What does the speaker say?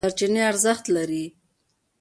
سرچینې ارزښت لري.